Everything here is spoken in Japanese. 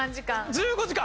１５時間！